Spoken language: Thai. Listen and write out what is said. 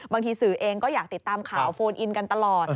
บางทีสื่อเองก็อยากติดตามข่าวโฟนอินกันตลอด